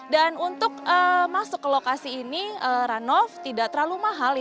dan untuk masuk ke lokasi ini runoff tidak terlalu mahal